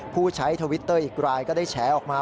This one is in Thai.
ผู้ใช้ทวิตเตอร์อีกรายก็ได้แฉออกมา